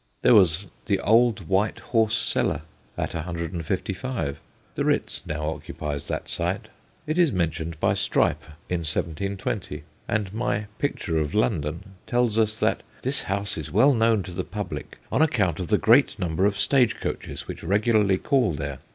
There was 'The Old White Horse Cellar' at 155 ; the ' Bitz ' now occupies that site. It is men tioned by Strype in 1720, and my Picture of London tells us that 'this house is well known to the public on account of the great number of stage coaches which regularly call there.